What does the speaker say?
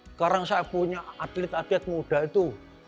sekarang saya punya atlet atlet muda itu